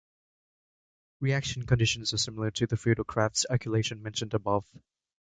Reaction conditions are similar to the Friedel-Crafts alkylation mentioned above.